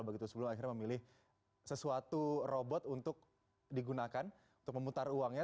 begitu sebelum akhirnya memilih sesuatu robot untuk digunakan untuk memutar uangnya